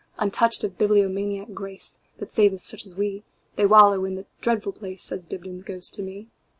Untouched of bibliomaniac grace, That saveth such as we, They wallow in that dreadful place,"Says Dibdin's ghost to me.